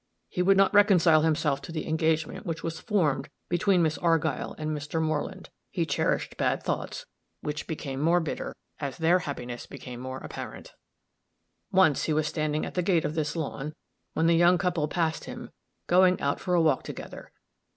He would not reconcile himself to the engagement which was formed between Miss Argyll and Mr. Moreland. He cherished bad thoughts, which grew more bitter as their happiness became more apparent. Once, he was standing at the gate of this lawn, when the young couple passed him, going out for a walk together.